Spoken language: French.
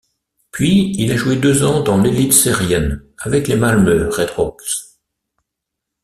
Puis, il a joué deux ans dans l'Elitserien avec les Malmö Redhawks.